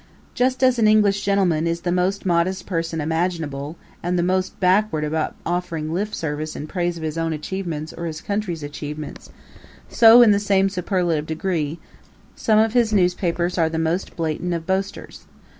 Just as an English gentleman is the most modest person imaginable, and the most backward about offering lip service in praise of his own achievements or his country's achievements, so, in the same superlative degree, some of his newspapers are the most blatant of boasters.